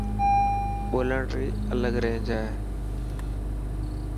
ٻولڻ ري الگ رينج هي.